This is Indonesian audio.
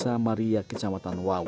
saya minta kekuangan hans quek